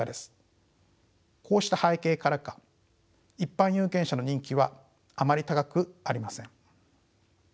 こうした背景からか一般有権者の人気はあまり高くありません。